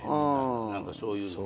何かそういうのが。